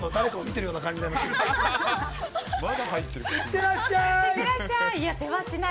いってらっしゃい。